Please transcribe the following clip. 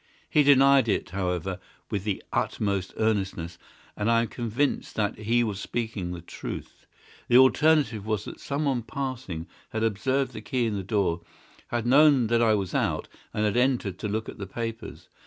He denied it, however, with the utmost earnestness, and I am convinced that he was speaking the truth. The alternative was that someone passing had observed the key in the door, had known that I was out, and had entered to look at the papers.